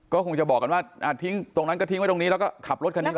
ก็คงจะบอกกันว่าทิ้งตรงนั้นก็ทิ้งไว้ตรงนี้แล้วก็ขับรถคันนี้ก่อน